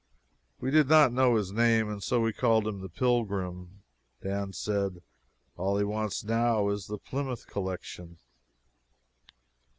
We did not know his name, and so we called him "The Pilgrim." Dan said: "All he wants now is a Plymouth Collection."